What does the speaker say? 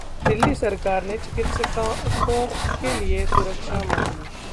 दिल्ली सरकार ने चिकित्सकों के लिए सुरक्षा मांगी